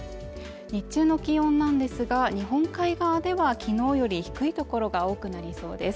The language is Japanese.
日中の気温なんですが日本海側ではきのうより低いところが多くなりそうです。